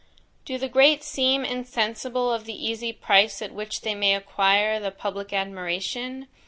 "Do the great seem insensible of the easy price at which they may acquire the public admiration?